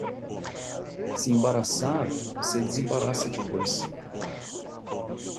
Se embaraçar, você desembaraça depois.